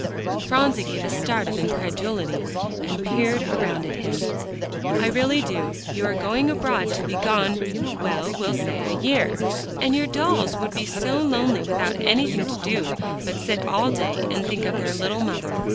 Phronsie gave a start of incredulity and peered around at him. "I really do. You are going abroad to be gone well, we'll say a year. And your dolls would be so lonely without anything to do but to sit all day and think of their little mother.